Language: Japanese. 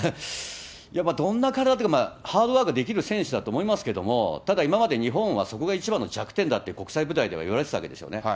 やっぱどんな体というか、ハードワークができる選手だと思いますけども、ただ今まで日本は、そこが一番の弱点だって、国際舞台ではいわれてたわけですよね。